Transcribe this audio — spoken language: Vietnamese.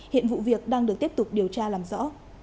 hiện vụ việc đang được tiếp tục điều tra làm rõ